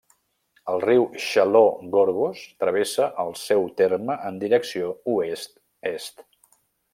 El riu Xaló-Gorgos travessa el seu terme en direcció oest-est.